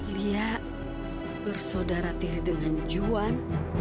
lia bersaudara tiri dengan juan